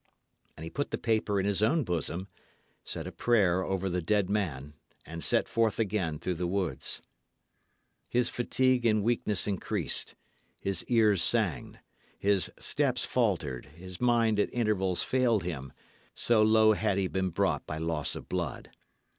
And he put the paper in his own bosom, said a prayer over the dead man, and set forth again through the woods. His fatigue and weakness increased; his ears sang, his steps faltered, his mind at intervals failed him, so low had he been brought by loss of blood.